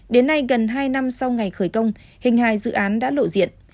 đến nay gần hai năm sau ngày khởi công hình hài dự án đã lộ diện